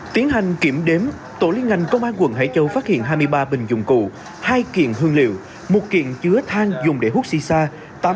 tiến hành kiểm đếm tổ liên ngành công an quận hải châu phát hiện hai mươi ba bình dụng cụ hai kiện hương liệu một kiện chứa than dùng để hút shisha